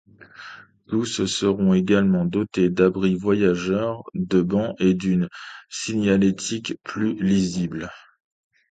Tous seront également dotés d'abris voyageurs, de bancs et d'une signalétique plus lisible.